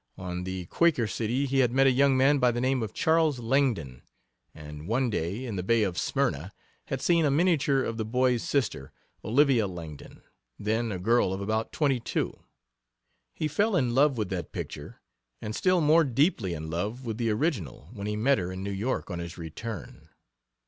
On the Quaker City he had met a young man by the name of Charles Langdon, and one day, in the Bay of Smyrna, had seen a miniature of the boy's sister, Olivia Langdon, then a girl of about twenty two. He fell in love with that picture, and still more deeply in love with the original when he met her in New York on his return.